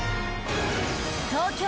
東京